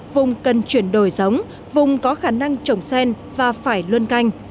vùng cần chuyển đổi giống vùng có khả năng trồng sen và phải luân canh